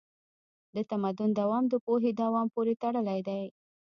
د تمدن دوام د پوهې دوام پورې تړلی دی.